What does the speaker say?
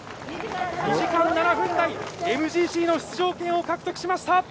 ２時間７分台ＭＧＣへの出場権を獲得しました！